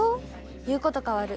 言うことかわる。